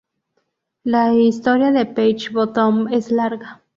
La historia de Peach Bottom es larga.